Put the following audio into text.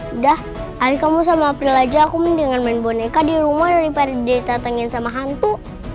udah hari kamu sama april aja aku mendingan main boneka di rumah daripada dia didatengin sama hantu